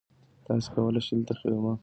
تاسي کولای شئ دلته خیمه ووهئ.